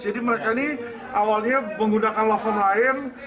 jadi mereka ini awalnya menggunakan lawan lain